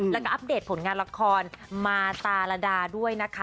แล้วก็อัปเดตผลงานละครมาตาระดาด้วยนะคะ